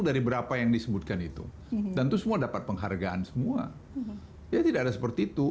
dari berapa yang disebutkan itu dan itu semua dapat penghargaan semua ya tidak ada seperti itu